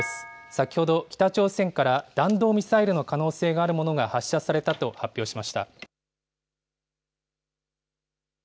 先ほど北朝鮮から、弾道ミサイルの可能性があるものが発射されたと発表しました。